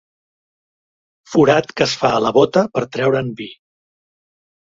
Forat que es fa a la bóta per treure'n vi.